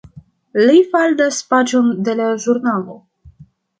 Li faldas paĝon de la ĵurnalo.